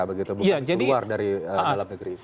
begitu bukan keluar dari dalam negeri